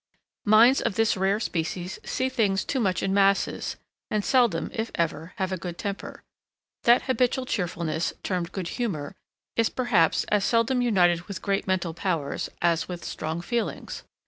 Minds of this rare species see things too much in masses, and seldom, if ever, have a good temper. That habitual cheerfulness, termed good humour, is, perhaps, as seldom united with great mental powers, as with strong feelings.